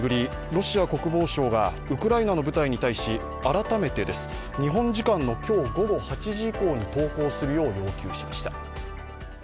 ロシア国防省がウクライナの部隊に対し改めて日本時間の今日午後８時以降に投降するよう要求しました。